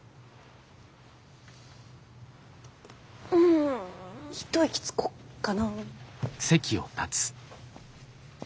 ん一息つこっかな。